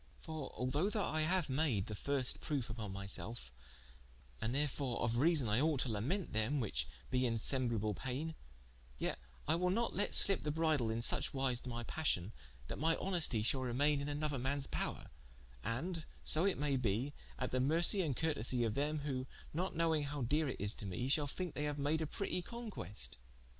For although that I haue made the firste proofe vpon my selfe, and therefore of reason I ought to lamente them, whiche be in semblable paine, yet I will not let slippe the bridle in suche wise to my passion, that mine honestie shall remain in an other man's power, and (so it may be) at the mercie and curtesie of them, who not knowing howe dere it is to me, shall thinke they haue made a pretie conquest.